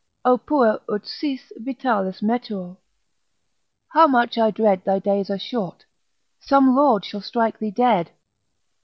O puer ut sis vitalis metuo, ———How much I dread Thy days are short, some lord shall strike thee dead.